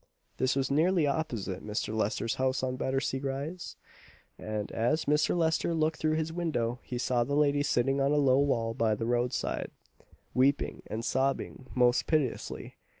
This was nearly opposite Mr. Lester's house on Battersea rise; and as Mr. Lester looked through his window he saw the lady sitting on a low wall by the road side, weeping and sobbing most piteously.